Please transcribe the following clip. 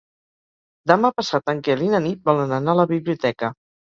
Demà passat en Quel i na Nit volen anar a la biblioteca.